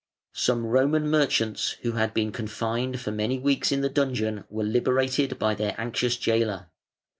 Some Roman merchants who had been confined for many weeks in the dungeon were (15th Sept., 533) liberated by their anxious gaoler.